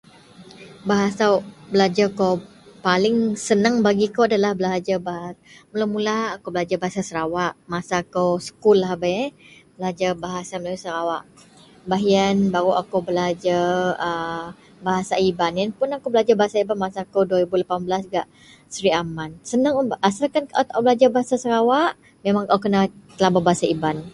,.noise..bahasa belajer kou paling senang bagi kou adalah belajer baha mula-mula akou belajer bahasa sarawak, masa kou sekul lahabei eh belajer bahasa melayu sarawak baih ien baru akou belajer a bahasa iban, ien pun akou belajer bahasa iban masa kou 2018 gak sri aman, senang un asel au taou bahasa sarawak memang au kena telabau bahasa iban